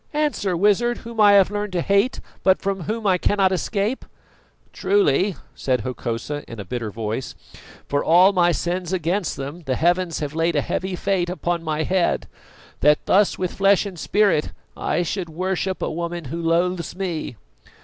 Answer, Wizard, whom I have learned to hate, but from whom I cannot escape!" "Truly," said Hokosa in a bitter voice, "for all my sins against them the heavens have laid a heavy fate upon my head, that thus with flesh and spirit I should worship a woman who loathes me.